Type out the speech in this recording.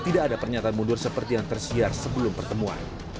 tidak ada pernyataan mundur seperti yang tersiar sebelum pertemuan